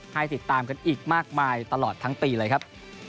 ให้ติดตามกันอีกมากมายตลอดทั้งปีเลยครับ